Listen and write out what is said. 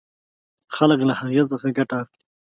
خلک له هغې څخه ګټه اخلي.